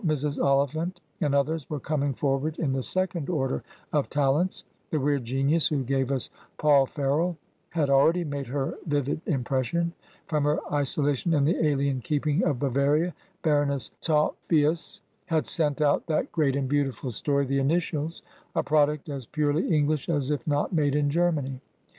Gaskell, Mrs. Oliphant, and others were coming forward in the second order of tal ents; the weird genius who gave us ''Paul Ferroll" had already made her vivid impression; from her iso lation in the alien keeping of Bavaria, Baroness Taut phoeus had sent out that great and beautiful story, "The Initials," a product as purely English as if not "made in Germany.''